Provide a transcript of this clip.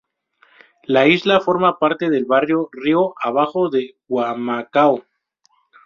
La isla forma parte del barrio Río Abajo de Humacao.